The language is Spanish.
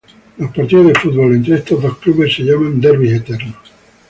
Los partidos de fútbol entre estos dos clubes se llaman derbis eternos.